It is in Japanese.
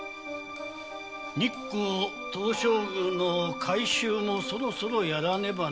日光東照宮の改修もそろそろやらねばならぬが。